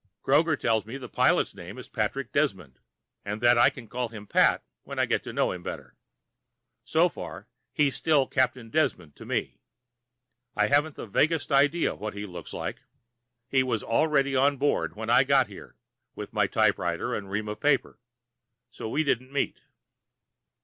Kroger tells me that the pilot's name is Patrick Desmond, but that I can call him Pat when I get to know him better. So far, he's still Captain Desmond to me. I haven't the vaguest idea what he looks like. He was already on board when I got here, with my typewriter and ream of paper, so we didn't meet.